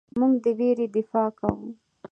موږ د ویرې دفاع کوو.